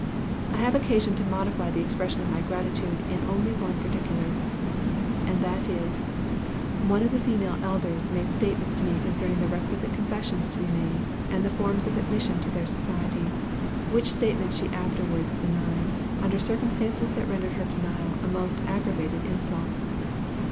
I have occasion to modify the expression of my gratitude in only one particular and that is, one of the female elders made statements to me concerning the requisite confessions to be made, and the forms of admission to their society, which statements she afterwards denied, under circumstances that rendered her denial a most aggravated insult.